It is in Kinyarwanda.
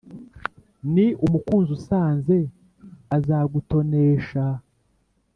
ni umukunzi usanze azagutoneshaaa